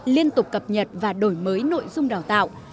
liên tục cập nhật và đổi mới nội dung đào tạo